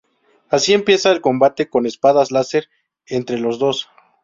Así empieza el combate con espadas láser entre los dos.